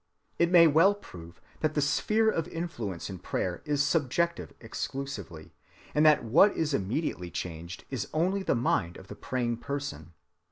It may well prove that the sphere of influence in prayer is subjective exclusively, and that what is immediately changed is only the mind of the praying person.